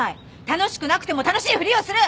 楽しくなくても楽しいふりをする！